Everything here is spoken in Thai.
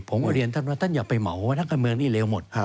ผมก็เรียนท่านว่าท่านอย่าไปเหมาว่านักการเมืองนี่เร็วหมด